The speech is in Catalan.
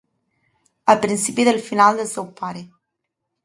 El principi del final del seu pare.